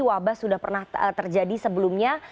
wabah sudah pernah terjadi sebelumnya